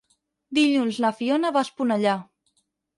Dilluns na Fiona va a Esponellà.